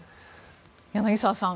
柳澤さん